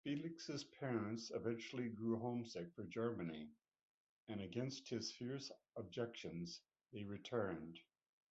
Felix's parents eventually grew homesick for Germany and, against his fierce objections, they returned.